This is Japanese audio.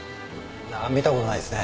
いや見た事ないですね。